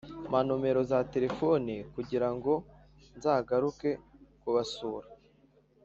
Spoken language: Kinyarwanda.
mpa nomero za telefoni kugira ngo nzagaruke kubasura